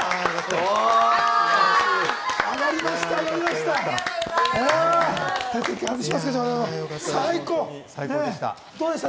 上がりました！